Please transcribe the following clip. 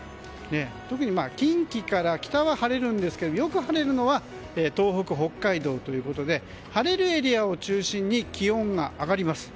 特に近畿から北は晴れるんですがよく晴れるのは東北、北海道で晴れるエリアを中心に気温が上がります。